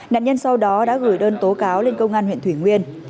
nạn nhân sau đó đã gửi đơn tố cáo lên công an huyện thủy nguyên